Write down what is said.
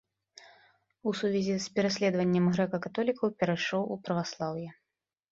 У сувязі з пераследаваннем грэка-католікаў перайшоў у праваслаўе.